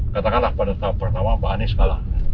katakanlah pada tahap pertama pak anies kalah